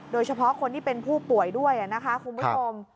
โดยเฉพาะคนที่เป็นผู้ป่วยด้วยนะคะคุณผู้ชม